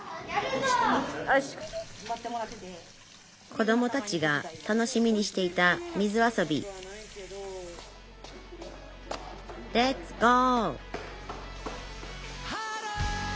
こどもたちが楽しみにしていた水遊びレッツゴー！